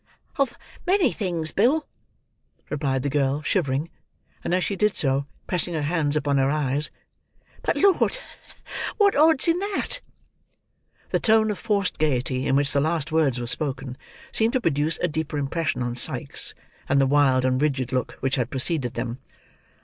"Of many things, Bill," replied the girl, shivering, and as she did so, pressing her hands upon her eyes. "But, Lord! What odds in that?" The tone of forced gaiety in which the last words were spoken, seemed to produce a deeper impression on Sikes than the wild and rigid look which had preceded them.